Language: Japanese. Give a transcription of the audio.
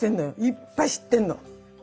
いっぱい知ってんの！